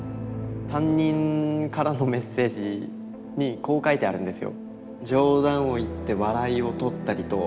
担任からのメッセージにこう書いてあるんですよ。